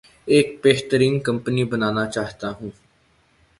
ایک بہترین کمپنی بنانا چاہتا ہوں